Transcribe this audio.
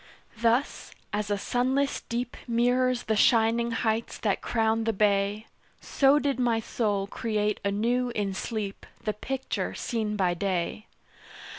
Thus, as a sunless deep Mirrors the shining heights that crown the bay, So did my soul create anew in sleep The picture seen by day.